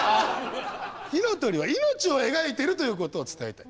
「火の鳥」は命を描いてるということを伝えたい。